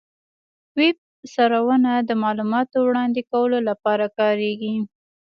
ویب سرورونه د معلوماتو وړاندې کولو لپاره کارېږي.